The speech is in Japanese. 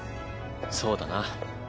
そうだな。